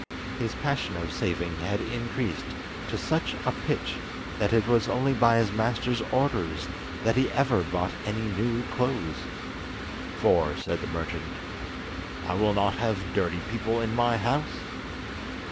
His passion of saving had increased to such a pitch that it was only by his master's orders that he ever bought any new clothes, "For," said the merchant, "I will not have dirty people in my house."